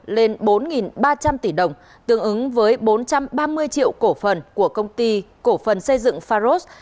lên bốn ba trăm linh tỷ đồng tương ứng với bốn trăm ba mươi triệu cổ phần của công ty cổ phần xây dựng pharos